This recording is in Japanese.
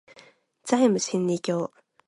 ザイム真理教